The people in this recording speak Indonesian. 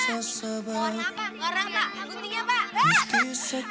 wah ada ngomong pak